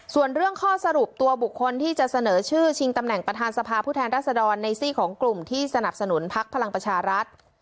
ส่วนเรื่องข้อสรุปตัวบุคคลที่จะเสนอชื่อชิงตำแหน่งประธานสภาผู้แทนรัศดรในซี่ของกลุ่มที่สนับสนุนพักพลังประชารัฐ